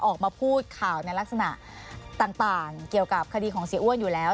ออกมาพูดข่าวในลักษณะต่างเกี่ยวกับคดีของเสียอ้วนอยู่แล้ว